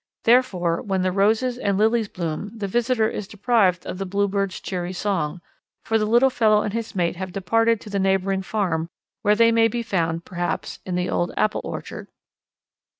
Therefore when the roses and lilies bloom the visitor is deprived of the Bluebird's cheery song, for the little fellow and his mate have departed to the neighbouring farm where they may be found, perhaps, in the old apple orchard.